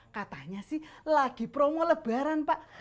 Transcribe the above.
katanya sih lagi promo lebaran pak